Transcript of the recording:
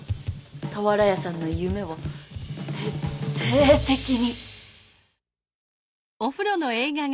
俵屋さんの夢を徹底的に。